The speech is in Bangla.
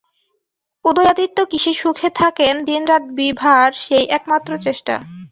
উদয়াদিত্য কিসে সুখে থাকেন, দিনরাত বিভার সেই একমাত্র চেষ্টা।